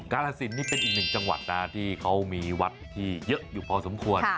กาลสินนี่เป็นอีกหนึ่งจังหวัดนะที่เขามีวัดที่เยอะอยู่พอสมควร